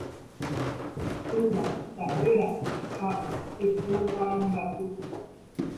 Túva, ta'ýra ha Pytu marangatu.